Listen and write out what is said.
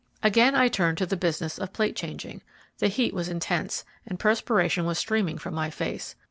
Again I turned to the business of plate changing. The heat was intense, and perspiration was streaming from my face.